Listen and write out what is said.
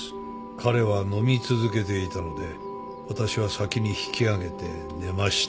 彼は飲み続けていたので私は先に引きあげて寝ました。